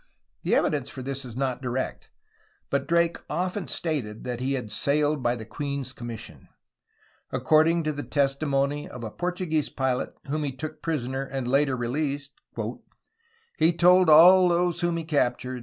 The evidence for this is not direct, but Drake often stated that he sailed by the queen's commission. Accord ing to the testimony of a Portuguese pilot whom he took prisoner and later released : "He told all those whom he captured